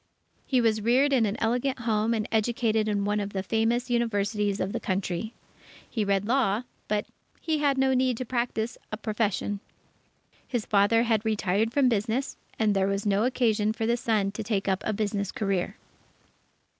He was reared in an elegant home and educated in one of the famous universities of the Country. He read law, but he had no need to practise a profession. His father had retired from business, and there was no occasion for the son to take up a business career.